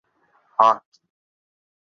হাহ, কী?